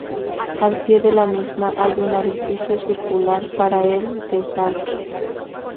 Al pie de la misma hay un orificio circular para el desagüe.